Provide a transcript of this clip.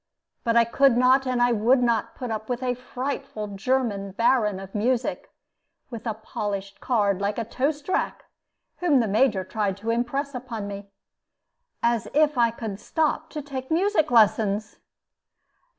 But I could not and would not put up with a frightful German baron of music, with a polished card like a toast rack, whom the Major tried to impress on me. As if I could stop to take music lessons!